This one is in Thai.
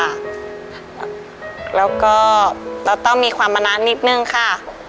แล้วก็เราต้องมีความมานานนิดนึงค่ะ